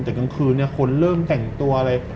แต่กลางคืนคนเริ่มแต่งตัวเลย